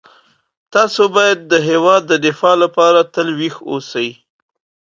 تاسو باید د هیواد د دفاع لپاره تل ویښ اوسئ.